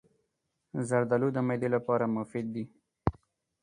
زردالو د معدې لپاره مفید دی.